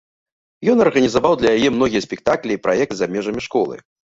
Ён арганізаваў для яе многія спектаклі і праекты за межамі школы.